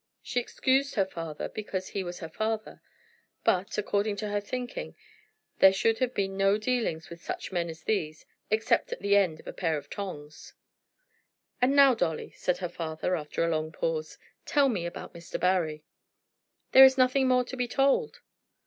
She excused her father because he was her father; but according to her thinking there should have been no dealings with such men as these, except at the end of a pair of tongs. "And now, Dolly," said her father, after a long pause, "tell me about Mr. Barry." "There is nothing more to be told."